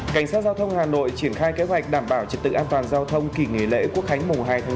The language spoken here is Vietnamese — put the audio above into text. cảnh sát giao thông hà nội triển khai kế hoạch đảm bảo trực tự an toàn giao thông kỷ nghề lễ quốc khánh mùa hai tháng chín